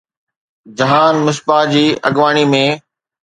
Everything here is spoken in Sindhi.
جهان مصباح جي اڳواڻي ۾